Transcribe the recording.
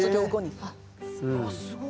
あすごい。